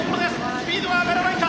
スピードは上がらないか。